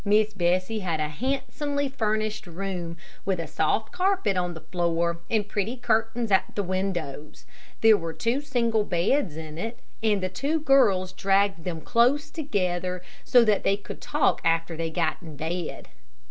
Miss Bessie had a handsomely furnished room, with a soft carpet on the floor, and pretty curtains at the windows. There were two single beds in it, and the two girls dragged them close together, so that they could talk after they got in bed.